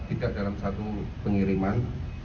tidak dalam satu pengiriman